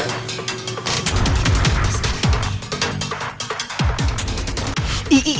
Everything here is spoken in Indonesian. tante saya teriak